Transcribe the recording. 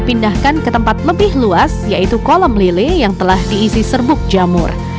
setelah tumbuh dewasa cacing akan dipindahkan ke tempat lebih luas yaitu kolam lele yang telah diisi serbuk jamur